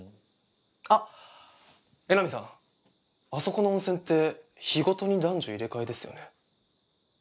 あっ江波さん。あそこの温泉って日ごとに男女入れ替えですよね。